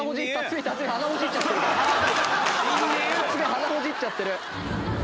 鼻ほじっちゃってる。